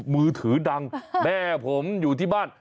มือถือดังแม่ผมอยู่ที่บ้าน